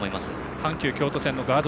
阪急京都線のガード